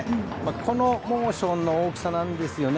このモーションの大きさなんですよね。